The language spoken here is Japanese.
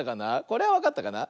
これはわかったかな？